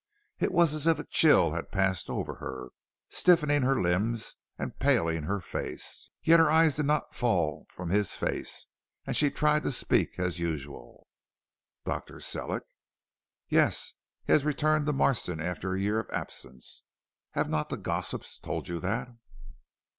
It was as if a chill had passed over her, stiffening her limbs and paling her face, yet her eyes did not fall from his face, and she tried to speak as usual. "Dr. Sellick?" "Yes, he has returned to Marston after a year of absence. Have not the gossips told you that?"